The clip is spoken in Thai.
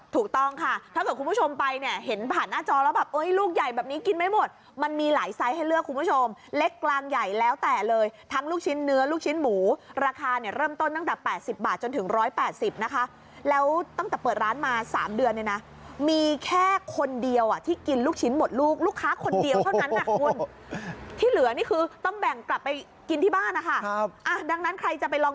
ถูกต้องค่ะถ้าเกิดคุณผู้ชมไปเนี่ยเห็นผ่านหน้าจอแล้วแบบเอ้ยลูกใหญ่แบบนี้กินไม่หมดมันมีหลายไซส์ให้เลือกคุณผู้ชมเล็กกลางใหญ่แล้วแต่เลยทั้งลูกชิ้นเนื้อลูกชิ้นหมูราคาเนี่ยเริ่มต้นตั้งแต่๘๐บาทจนถึง๑๘๐นะคะแล้วตั้งแต่เปิดร้านมาสามเดือนเลยนะมีแค่คนเดียวอ่ะที่กินลูกชิ้นหมดลูกลูกค้าคน